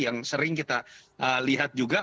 yang sering kita lihat juga